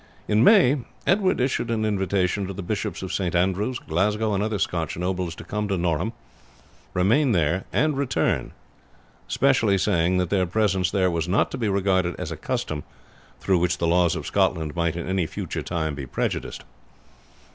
In May, Edward issued an invitation to the Bishops of St. Andrews, Glasgow, and other Scotch nobles to come to Norham, remain there, and return, specially saying that their presence there was not to be regarded as a custom through which the laws of Scotland might in any future time be prejudiced.